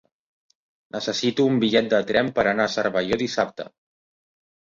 Necessito un bitllet de tren per anar a Cervelló dissabte.